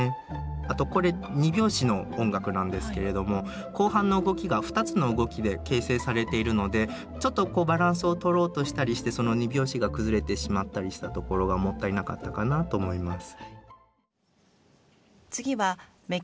あとこれ２拍子の音楽なんですけれども後半の動きが２つの動きで形成されているのでちょっとこうバランスをとろうとしたりしてその２拍子が崩れてしまったりしたところがもったいなかったかなと思います。